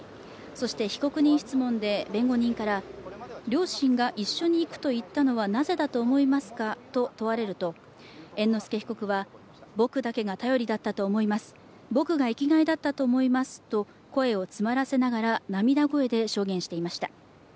被告人質問で弁護人から両親が一緒に逝くといったのはなぜだと思いますか？と問われると猿之助被告は僕だけが頼りだったと思います、僕が生きがいだったと思いますと声を詰まらせながら涙声で証言していました。